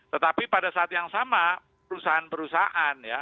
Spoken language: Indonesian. tetapi pada saat yang sama perusahaan perusahaan ya